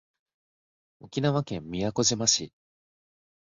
沖縄県宮古島市